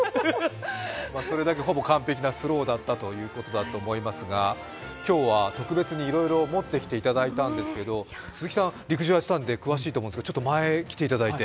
それだけほぼ完璧なスローだったということだと思いますが今日は特別にいろいろ持ってきていただいたんですけれども鈴木さん、陸上やってたので詳しいと思うので前に来ていただいて。